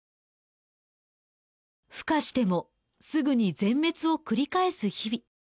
孵化してもすぐに全滅を繰り返す日々。